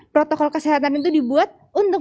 protokol kesehatan itu dibuat untuk